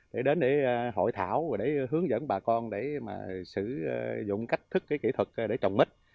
để đến để hội thảo để hướng dẫn bà con để mà sử dụng cách thức cái kỹ thuật để trồng mít